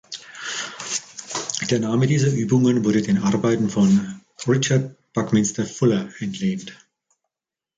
Der Name dieser Übungen wurde den Arbeiten von Richard Buckminster Fuller entlehnt.